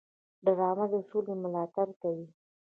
ډرامه د سولې ملاتړ کوي